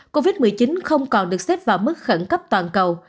covid một mươi chín không còn được xếp vào mức khẩn cấp toàn cầu